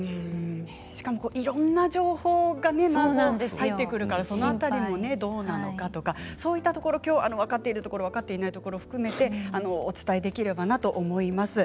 しかもいろんな情報がね入ってくるから、その辺りもどうなのかとかそういったところきょう分かっているところを分かっていないところを含めてお伝えできればなと思います。